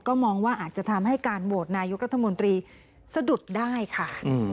ก็มองว่าอาจจะทำให้การโหวตนายกรัฐมนตรีสะดุดได้ค่ะ